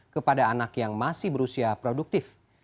kepada anak yang masih berusia produktif